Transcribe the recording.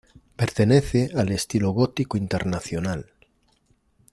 Pertenece al estilo gótico internacional.